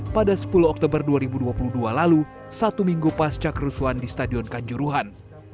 pada sepuluh oktober dua ribu dua puluh dua lalu satu minggu pasca kerusuhan di stadion kanjuruhan